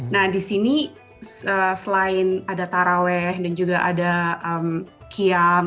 nah di sini selain ada taraweh dan juga ada kiam